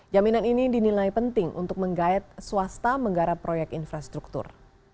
jaminan ini dinilai penting untuk menggayat swasta menggarap proyek infrastruktur